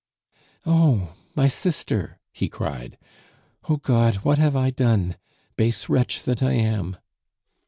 "Oh! my sister!" he cried. "Oh, God! what have I done? Base wretch that I am!"